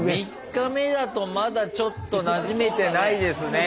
３日目だとまだちょっとなじめてないですね。